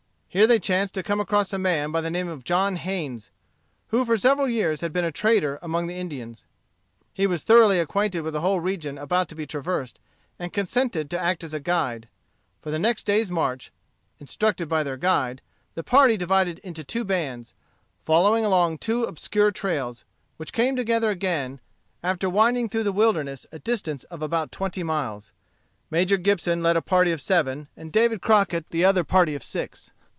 Here they chanced to come across a man by the name of John Haynes, who for several years had been a trader among the Indians. He was thoroughly acquainted with the whole region about to be traversed, and consented to act as a guide. For the next day's march, instructed by their guide, the party divided into two bands, following along two obscure trails, which came together again after winding through the wilderness a distance of about twenty miles. Major Gibson led a party of seven, and David Crockett the other party of six.